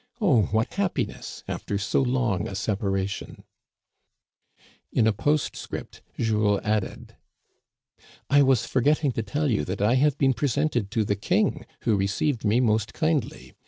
Oh, what happiness, after so long a sepa ration !" In a postscript Jules added :" I was forgetting to tell you that I have been pre sented to the King, who received me most kindly.